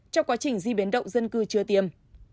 trong quá trình di biến động dân cư chưa tiêm